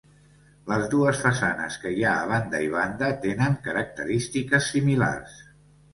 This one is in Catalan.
Les dues façanes que hi ha a banda i banda tenen característiques similars.